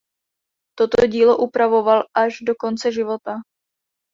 Toto dílo upravoval až do konce života.